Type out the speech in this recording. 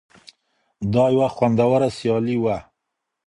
دا یوه خوندوره سیالي وه.